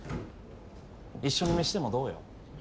一緒にメシでもどうよ。